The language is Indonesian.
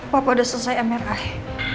papa udah selesai mri